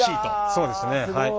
そうですねはい。